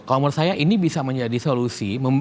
kalau menurut saya ini bisa menjadi solusi